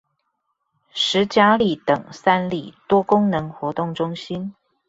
十甲里等三里多功能活動中心